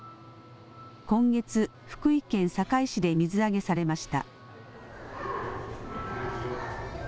今月、福井県坂井市で水揚げされました。